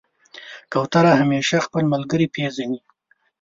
کوتره همیشه خپل ملګری پېژني.